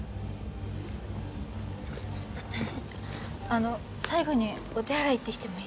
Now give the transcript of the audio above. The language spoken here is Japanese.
あの最後にお手洗い行ってきてもいいかな？